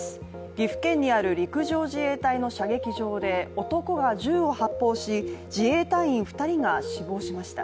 岐阜県にある陸上自衛隊の射撃場で男が銃を発砲し自衛隊員２人が死亡しました。